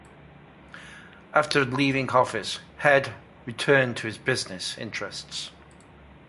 After leaving office Head returned to his business interests.